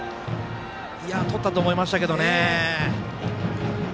とったと思いましたけどね。